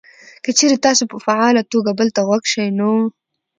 که چېرې تاسې په فعاله توګه بل ته غوږ شئ نو: